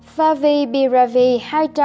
favipiravir hạ sốt